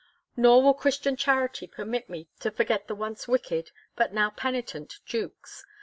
Nor will Christian charity permit me to forget the once wicked, but now penitent Jewkes.